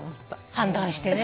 判断してね。